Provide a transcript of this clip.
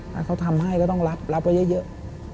ถ้าเขาทำให้ก็ต้องรับไว้เยอะ